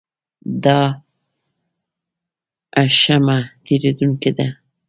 دا هښمه تېرېدونکې ده.